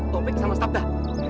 topeg sama sabda